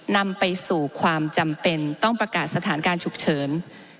นำไปสู่ความจำเป็นต้องประกาศสถานการณ์ฉุกเฉิน